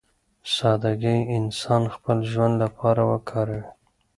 سادهګي انسان خپل ژوند لپاره وکاروي.